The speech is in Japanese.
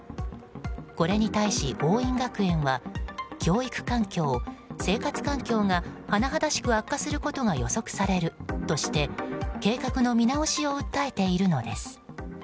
これに対し、桜蔭学園は教育環境・生活環境がはなはだしく悪化することが予測されるとして計画の見直しを訴えているのです。